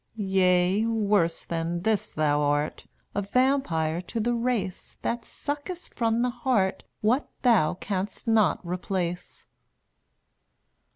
Yea, worse than this thou art, A vampire to the race That suckest from the heart What thou canst not replace.